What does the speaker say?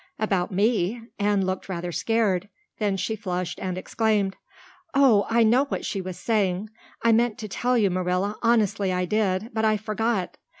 "About me?" Anne looked rather scared. Then she flushed and exclaimed: "Oh, I know what she was saying. I meant to tell you, Marilla, honestly I did, but I forgot.